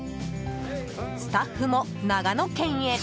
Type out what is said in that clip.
スタッフも長野県へ。